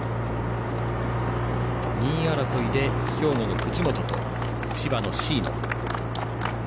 ２位争いで兵庫の藤本と千葉の椎野。